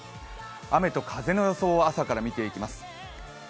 雨と風の予想を朝から見ていきます。